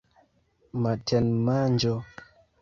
matenmanĝo